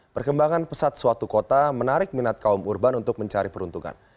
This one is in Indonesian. perkembangan pesat suatu kota menarik minat kaum urban untuk mencari peruntungan